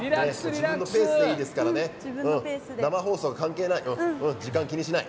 自分のペースでいいですからね生放送とか関係ない時間気にしない。